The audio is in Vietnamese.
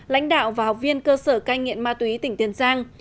lãnh đạo và học viên cơ sở cai nghiện ma túy tỉnh tiền giang